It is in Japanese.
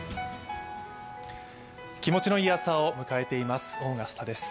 気持ちのいい朝を迎えていますオーガスタです。